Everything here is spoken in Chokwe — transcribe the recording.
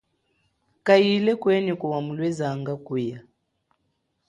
Kayile kwenyi kuwa mulwezanga kuya.